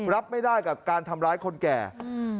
รับไม่ได้กับการทำร้ายคนแก่อืม